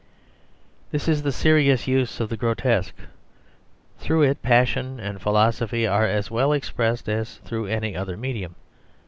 This is the serious use of the grotesque. Through it passion and philosophy are as well expressed as through any other medium.